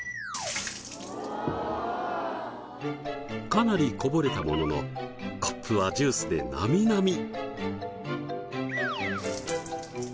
かなりこぼれたもののコップはジュースでなみなみ。